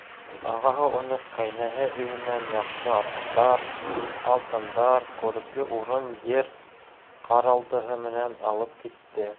Ағаһы уны ҡәйнәһе өйөнән яҡшы аттар, алтындар, күрекле урын-ер ҡаралдыһы менән алып китте.